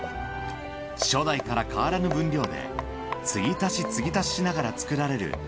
初代から変わらぬ分量で継ぎ足し継ぎ足ししながら作られる